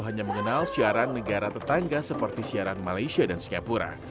hanya mengenal siaran negara tetangga seperti siaran malaysia dan singapura